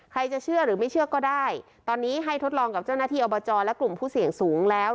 จะเชื่อหรือไม่เชื่อก็ได้ตอนนี้ให้ทดลองกับเจ้าหน้าที่อบจและกลุ่มผู้เสี่ยงสูงแล้ว